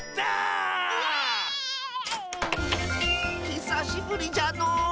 ひさしぶりじゃのう。